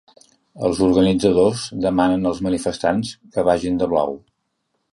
Els organitzadors demanen als manifestants que vagin de blau.